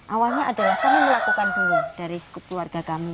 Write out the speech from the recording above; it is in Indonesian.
awalnya adalah kami melakukan dulu dari skup keluarga kami